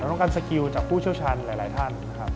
ต้องการสกิลจากผู้เชี่ยวชาญหลายท่านนะครับ